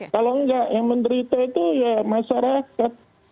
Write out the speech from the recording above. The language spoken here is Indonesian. kalau enggak yang menderita itu ya masyarakat